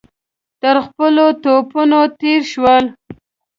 تر خپلو توپونو تېر شول.